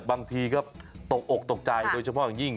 บางทีก็ตกอกตกใจโดยเฉพาะอย่างยิ่ง